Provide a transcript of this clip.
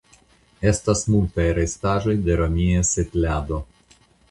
Estas multaj restaĵoj de romia setlado.